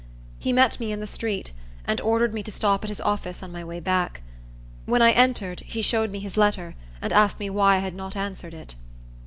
He met me in the street, and ordered me to stop at his office on my way back. When I entered, he showed me his letter, and asked me why I had not answered it.